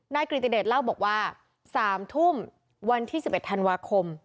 กริติเดชเล่าบอกว่า๓ทุ่มวันที่๑๑ธันวาคม